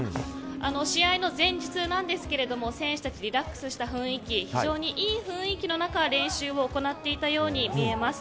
試合の前日なんですが選手たち、リラックスした雰囲気非常にいい雰囲気の中練習を行っていたように見えます。